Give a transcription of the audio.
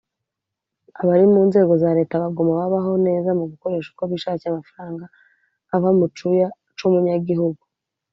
abari mu nzego za Leta baguma babaho neza mu gukoresha uko bishakiye amafaranga ava mu cuya c’umunyagihugu